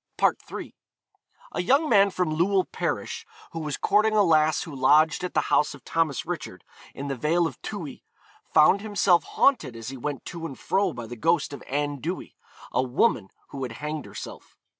III. A young man from Llywel parish, who was courting a lass who lodged at the house of Thomas Richard, in the vale of Towy, found himself haunted as he went to and fro by the ghost of Anne Dewy, a woman who had hanged herself.